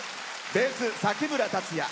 ベース、崎村達也。